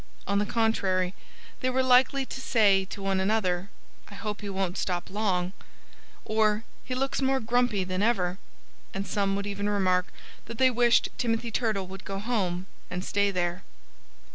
On the contrary, they were quite likely to say to one another, "I hope he won't stop long," or "He looks more grumpy than ever." And some would even remark that they wished Timothy Turtle would go home and stay there.